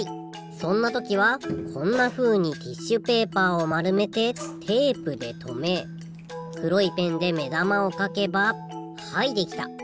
そんなときはこんなふうにティッシュペーパーをまるめてテープでとめくろいペンでめだまをかけばはいできた！